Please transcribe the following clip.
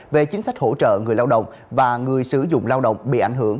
về chính sách hỗ trợ người lao động và người sử dụng lao động bị ảnh hưởng